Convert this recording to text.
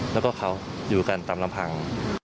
แล้วก็เขาอยู่กันตามลำพัง